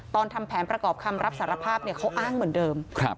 ตอนทำแผนประกอบคำรับสารภาพเนี้ยเขาอ้างเหมือนเดิมครับ